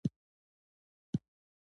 زما قلم د کوړم کاڼی شو؛ بيا مې و نه ليد.